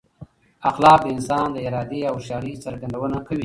اخلاق د انسان د ارادې او هوښیارۍ څرګندونه کوي.